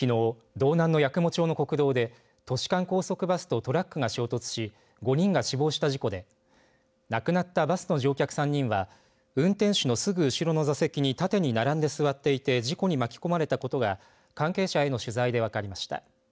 道南の八雲町の国道で都市間高速バスとトラックが衝突し５人が死亡した事故で亡くなったバスの乗客３人は運転手のすぐ後ろの座席に縦に並んで座っていて事故に巻き込まれたことが関係者への取材で分かりました。